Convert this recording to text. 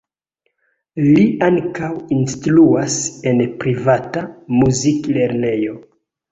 Li ankaŭ instruas en privata muziklernejo.